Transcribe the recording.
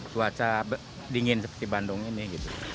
cuaca dingin seperti bandung ini